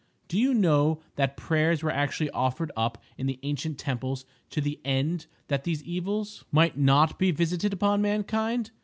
Do you know that prayers were actually offered up in the ancient temples to the end that these evils (!) might not be visited upon mankind?